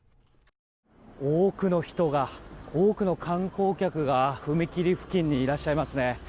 多くの人が多くの観光客が踏切付近にいらっしゃいますね。